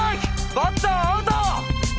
バッターアウト！